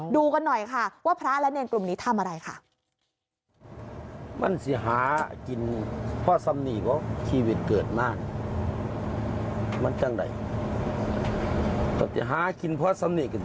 ดูกันหน่อยค่ะว่าพระและเนรกลุ่มนี้ทำอะไรค่ะ